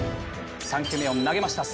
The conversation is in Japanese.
３球目を投げました。